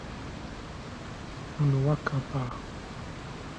Ono Wakkapa.